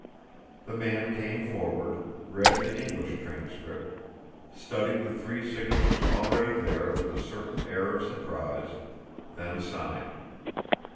The man came forward, read the English transcript, studied the three signatures already there with a certain air of surprise, then signed.